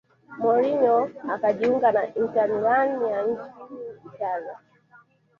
mourinho akajiunga na inter milan ya nchini italia